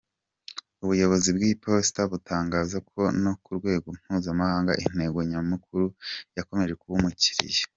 Ubuyobozi bw’Iposita butangaza ko no ku rwego mpuzamahanga intego nyamukuru yakomeje kuba umukiliya.